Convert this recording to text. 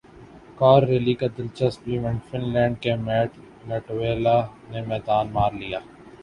کارریلی کا دلچسپ event fun land کے میٹ لاٹوالہ نے میدان مار لیا